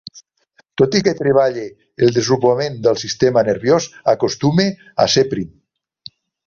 Tot i que treballe el desenvolupament del sistema nerviós, acostume a ser prim.